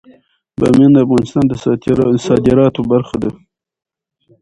بامیان د افغانستان د صادراتو برخه ده.